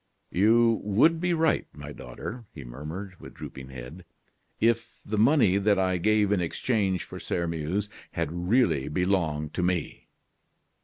"You would be right, my daughter," he murmured, with drooping head, "if the money that I gave in exchange for Sairmeuse had really belonged to me."